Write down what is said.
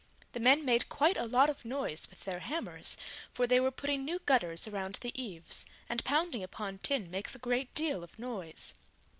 The men made quite a lot of noise with their hammers, for they were putting new gutters around the eaves, and pounding upon tin makes a great deal of noise.